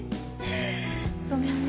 ごめんね。